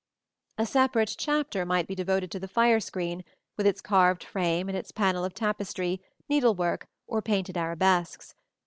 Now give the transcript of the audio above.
A separate chapter might be devoted to the fire screen, with its carved frame and its panel of tapestry, needlework, or painted arabesques.